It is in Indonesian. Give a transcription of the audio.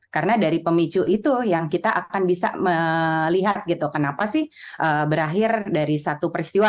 karena dari pemicu itu yang kita akan bisa melihat gitu kenapa sih berakhir dari satu peristiwa